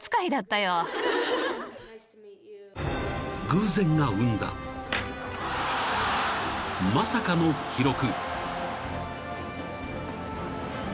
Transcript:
［偶然が生んだまさかの記録］